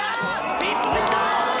ピンポイント！